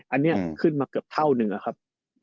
อันนี้ขึ้นมาเกือบเท่านึงอะครับ